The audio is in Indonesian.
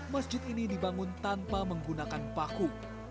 masjid ini dibangun tanpa menggunakan paku